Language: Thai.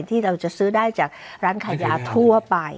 ที่เราจะซื้อได้จากร้านขายยาทั่วไป